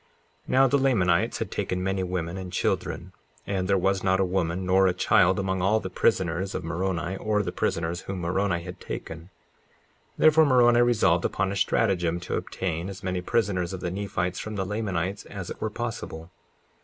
54:3 Now the Lamanites had taken many women and children, and there was not a woman nor a child among all the prisoners of Moroni, or the prisoners whom Moroni had taken; therefore Moroni resolved upon a stratagem to obtain as many prisoners of the Nephites from the Lamanites as it were possible.